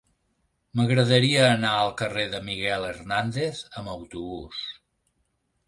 M'agradaria anar al carrer de Miguel Hernández amb autobús.